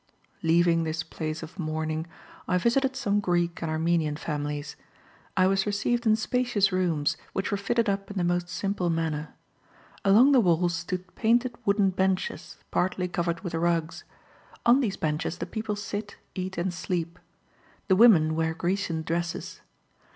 Leaving this place of mourning, I visited some Greek and Armenian families. I was received in spacious rooms, which were fitted up in the most simple manner. Along the walls stood painted wooden benches partly covered with rugs. On these benches the people sit, eat, and sleep. The women wear Grecian dresses.